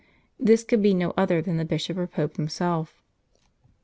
This could be no other than the bishop or pope himself.